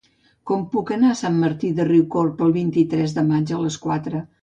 Com puc anar a Sant Martí de Riucorb el vint-i-tres de maig a les quatre?